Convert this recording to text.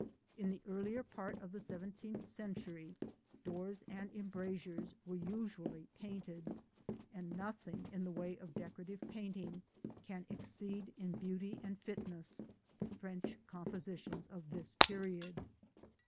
In the earlier part of the seventeenth century, doors and embrasures were usually painted, and nothing in the way of decorative painting can exceed in beauty and fitness the French compositions of this period.